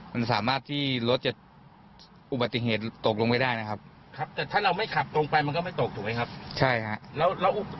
มันสามารถที่รถจะอุบัติเหตุตกลงไปได้นะครับครับแต่ถ้าเราไม่ขับตรงไปมันก็ไม่ตกถูกไหมครับใช่ครับ